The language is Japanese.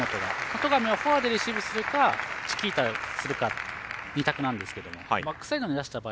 戸上はフォアでレシーブするかチキータするか２択なんですけどバックサイドに出した場合